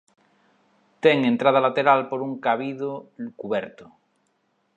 Ten entrada lateral por un cabido cuberto.